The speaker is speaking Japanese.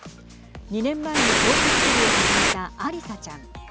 ２年前に陶器作りを始めたアリサちゃん。